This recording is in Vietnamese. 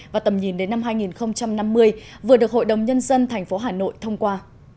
và tầm nhìn đến năm hai nghìn năm mươi vừa được hội đồng nhân dân thành phố hà nội thông qua